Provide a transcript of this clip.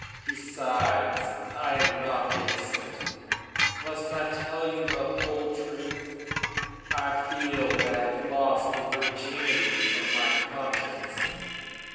Besides, I am not innocent. Must I tell you the whole truth? I feel that I have lost the virginity of my conscience."